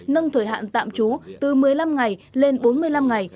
nâng thời hạn tạm trú từ một mươi năm ngày lên bốn mươi năm ngày